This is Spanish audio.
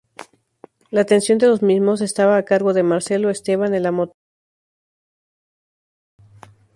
La atención de los mismos, estaba a cargo de Marcelo Esteban en la motorización.